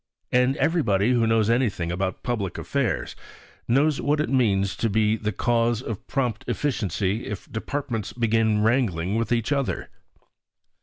And everybody, who knows anything about public affairs, knows what it means to the cause of prompt efficiency if departments begin wrangling with each other.